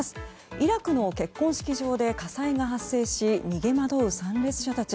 イラクの結婚式場で火災が発生し逃げ惑う参列者たち。